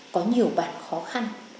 có nhiều bản khó khăn